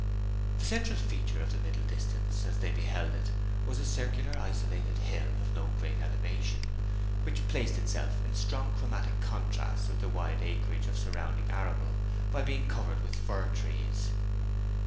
The central feature of the middle distance, as they beheld it, was a circular isolated hill, of no great elevation, which placed itself in strong chromatic contrast with a wide acreage of surrounding arable by being covered with fir trees.